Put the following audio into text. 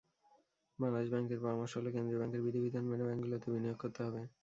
বাংলাদেশ ব্যাংকের পরামর্শ হলো, কেন্দ্রীয় ব্যাংকের বিধিবিধান মেনে ব্যাংকগুলোকে বিনিয়োগ করতে হবে।